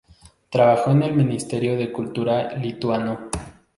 Trabajó en el Ministerio de Cultura lituano.